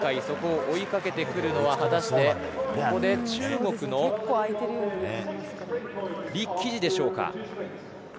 そこを追いかけてくるのはここで中国のリ・キジでしょうか。